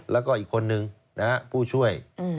แล้วก็อีกคนนึงนะฮะผู้ช่วย